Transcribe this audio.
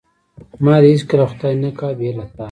ما دې هیڅکله خدای نه کا بې له تانه.